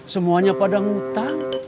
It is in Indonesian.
semuanya pada ngutang